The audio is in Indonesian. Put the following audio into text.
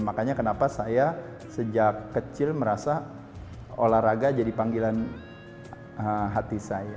makanya kenapa saya sejak kecil merasa olahraga jadi panggilan hati saya